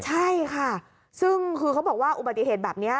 ใช่ค่ะซึ่งคือเขาบอกว่าอุบัติเหตุแบบนี้